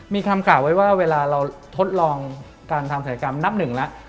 มีคำกล่าวไว้ว่าเวลาเราทดลองการทำศัยกรรมนับหนึ่งแล้ว